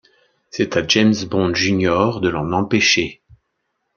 C'est à James Bond Jr de l'en empêcher.